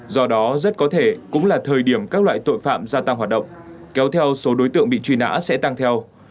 do đó rất có thể cũng là thời điểm các loại tội phạm gia tăng hoạt động kéo theo số đối tượng bị truy nã sẽ tăng theo